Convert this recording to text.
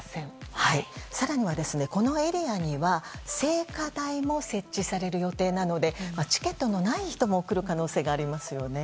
更には、このエリアには聖火台も設置される予定なのでチケットのない人も来る可能性がありますよね。